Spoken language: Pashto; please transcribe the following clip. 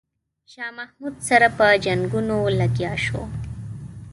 شاه محمود سره په جنګونو لګیا شو.